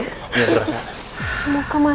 iya terima kasih